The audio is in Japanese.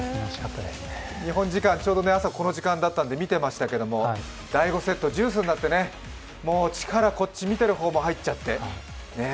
日本時間ちょうど朝この時間だから見てましたけど第５セット、デュースになって、見てる方も力入っちゃって。